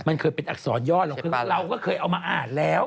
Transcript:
มันเคยเป็นอักษรย่อลงเราก็เคยเอามาอ่านแล้ว